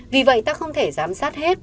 vì vậy ta không thể giám sát hết